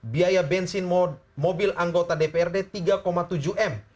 biaya bensin mobil anggota dprd tiga tujuh m